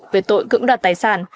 về tội cưỡng đoạt tài sản